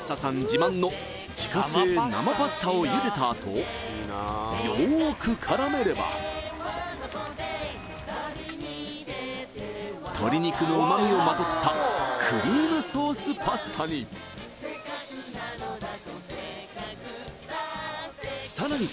自慢の自家製生パスタを茹でたあとよーく絡めれば鶏肉の旨みをまとったクリームソースパスタにさらに